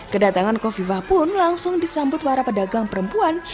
kedatangan kofifah pun langsung disambut para pedagang perempuan